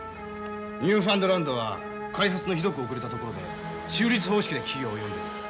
ニューファンドランドは開発のひどくおくれたところで州立方式で企業を呼んでる。